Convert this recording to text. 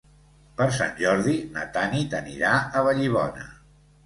Per Sant Jordi na Tanit anirà a Vallibona.